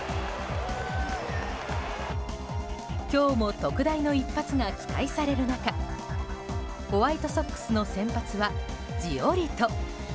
今日も特大の一発が期待される中ホワイトソックスの先発はジオリト。